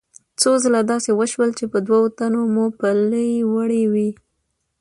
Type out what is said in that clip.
څو ځله داسې وشول چې په دوو تنو مو پلي وړي وو.